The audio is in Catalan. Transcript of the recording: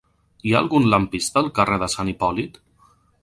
Hi ha algun lampista al carrer de Sant Hipòlit?